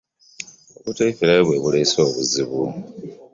Obuteefiirayo bwe buleese obuzibu.